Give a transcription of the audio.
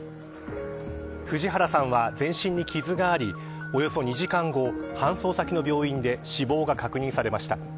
藤原さんは全身に傷がありおよそ２時間後、搬送先の病院で死亡が確認されました。